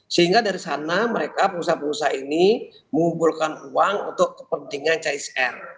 sehingga dari sana mereka pengusaha pengusaha ini mengumpulkan uang untuk kepentingan csr